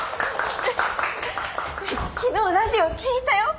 昨日ラジオ聞いたよ！